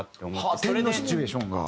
点のシチュエーションが？